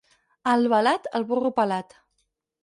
A Albalat, el burro pelat.